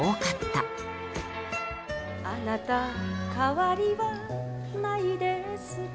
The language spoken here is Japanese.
「あなた変わりはないですか」